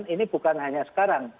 ini bukan hanya sekarang